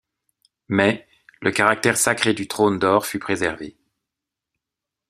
Mais, le caractère sacré du Trône d'Or fut préservé.